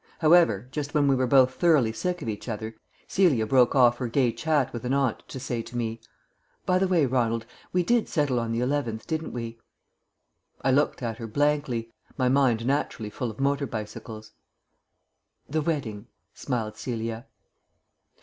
However, just when we were both thoroughly sick of each other, Celia broke off her gay chat with an aunt to say to me: "By the way, Ronald, we did settle on the eleventh, didn't we?" I looked at her blankly, my mind naturally full of motor bicycles. "The wedding," smiled Celia.